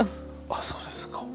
あっそうですか。